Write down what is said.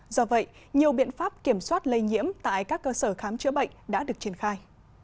do vậy nhiều biện pháp kiểm soát lây nhiễm tại các cơ sở khám chữa bệnh đã được triển khai